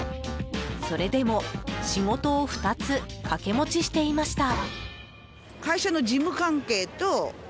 それでも仕事を２つ掛け持ちしていました。